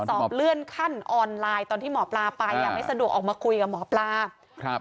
สอบเลื่อนขั้นออนไลน์ตอนที่หมอปลาไปอ่ะไม่สะดวกออกมาคุยกับหมอปลาครับ